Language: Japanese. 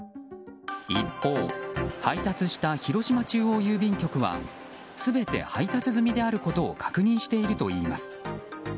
一方、配達した広島中央郵便局は全て配達済みであることを確認しているといいます。